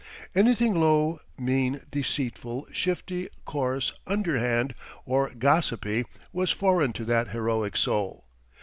Anything low, mean, deceitful, shifty, coarse, underhand, or gossipy was foreign to that heroic soul.